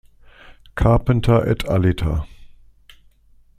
Carpenter et al.